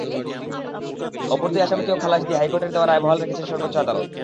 অপর দুই আসামিকেও খালাস দিয়ে হাইকোর্টের দেওয়া রায় বহাল রেখেছেন সর্বোচ্চ আদালত।